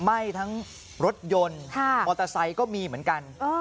ไหม้ทั้งรถยนต์มอเตอร์ไซค์ก็มีเหมือนกัน